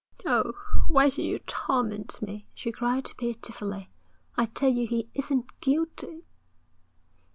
'Oh, why do you torment me?' she cried pitifully. 'I tell you he isn't guilty.'